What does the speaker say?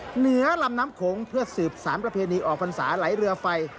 เหนือลำน้ำโขงเพื่อสืบสารประเพณีออกพรรษาไหลเรือไฟ